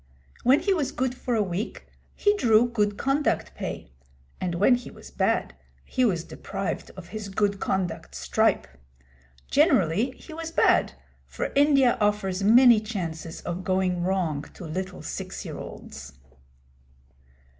When he was good for a week, he drew good conduct pay; and when he was bad, he was deprived of his good conduct stripe. Generally he was bad, for India offers many chances of going wrong to little six year olds.